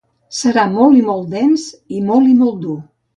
Serà molt i molt dens i molt i molt dur.